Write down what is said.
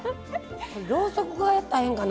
ろうそく加えたらええんかな。